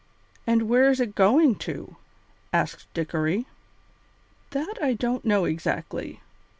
"And where is it going to?" asked Dickory. "That I don't know exactly.